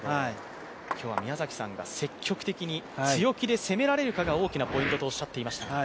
今日は、宮崎さんが強気に積極的に攻められるかが大きなポイントとおっしゃっていました。